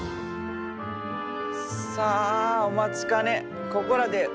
さあお待ちかね